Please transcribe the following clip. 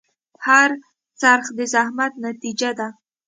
هر خرڅ د زحمت نتیجه ده.